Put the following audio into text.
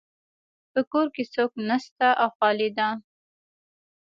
په کور کې څوک نشته او خالی ده